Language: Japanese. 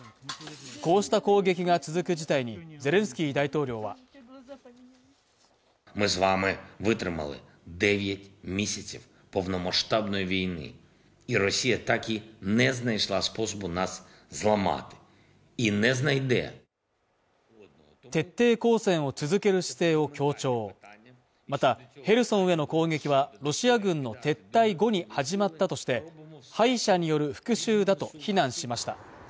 こうした攻撃が続く事態にゼレンスキー大統領は徹底抗戦を続ける姿勢を強調またヘルソンへの攻撃はロシア軍の撤退後に始まったとして敗者による復讐だと非難しました